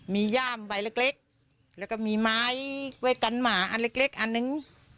มีย่ามใบเล็กแล้วก็มีไม้ไว้กันหมาอันเล็กอันนึง